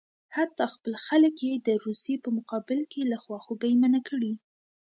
حتی خپل خلک یې د روسیې په مقابل کې له خواخوږۍ منع کړي.